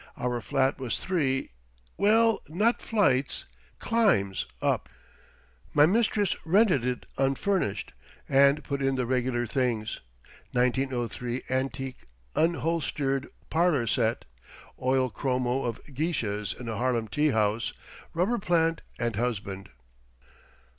Our flat was three—well, not flights—climbs up. My mistress rented it unfurnished, and put in the regular things—1903 antique unholstered parlour set, oil chromo of geishas in a Harlem tea house, rubber plant and husband.